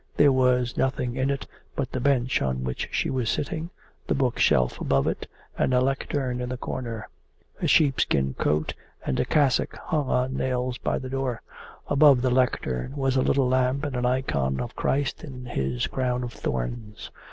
There was nothing in it but the bench on which she was sitting, the book shelf above it, and a lectern in the corner. A sheepskin coat and a cassock hung on nails by the door. Above the lectern was the little lamp and an icon of Christ in His crown of thorns.